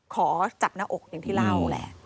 ขอจับหน้าอกอย่างที่เล่าแหละ